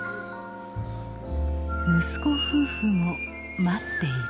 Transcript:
息子夫婦も待っている。